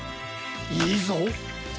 いいぞ！